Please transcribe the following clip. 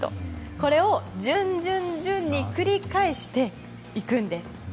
これを順々に繰り返していくんです。